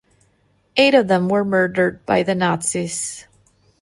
Eight of them were murdered by the Nazis.